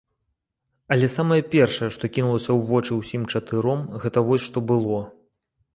Але самае першае, што кінулася ў вочы ўсім чатыром, гэта вось што было.